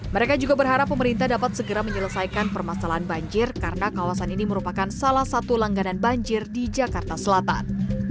mereka juga berharap pemerintah dapat segera menyelesaikan permasalahan banjir karena kawasan ini merupakan salah satu langganan banjir di jakarta selatan